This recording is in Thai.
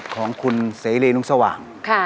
ของคุณเซเลนุ้งสว่าง